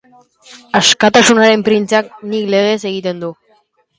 Askatasunaren Printzeak nik legez egiten du.